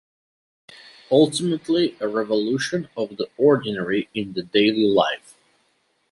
Ultimately, a revolution of the ordinary in the daily life.